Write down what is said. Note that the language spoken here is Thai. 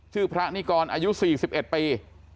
ชื่อพระนี่ก่อนอายุสี่สิบเอ็ดปี